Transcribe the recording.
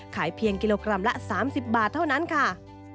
เพียงกิโลกรัมละ๓๐บาทเท่านั้นค่ะ